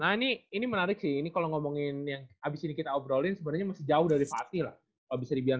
nah ini menarik sih kalo ngomongin yang abis ini kita obrolin sebenernya masih jauh dari parti lah kalo bisa dibilang